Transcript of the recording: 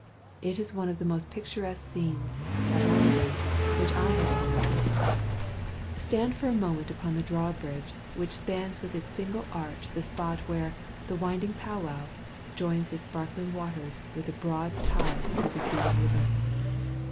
It is one of the most picturesque scenes, at all events, which I have ever witnessed. Stand for a moment upon the drawbridge which spans with its single arch the spot where "the winding Powow" joins his sparkling waters with the broad tide of the receiving river.